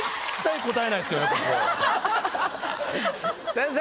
先生！